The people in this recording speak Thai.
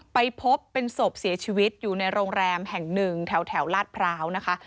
ไปพบเป็นศพเสียชีวิตอยู่ในโรงแรมแห่งหนึ่งแถวลาดพร้าวนะคะ